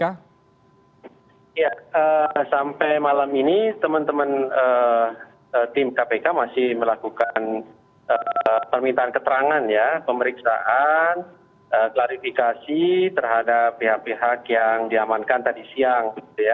ya sampai malam ini teman teman tim kpk masih melakukan permintaan keterangan ya pemeriksaan klarifikasi terhadap pihak pihak yang diamankan tadi siang